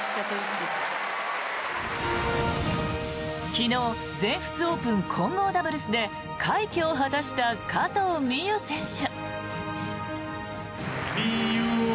昨日全仏オープン混合ダブルスで快挙を果たした加藤未唯選手。